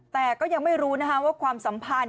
แต่ก็ยังไม่รู้ว่าความสัมพันธ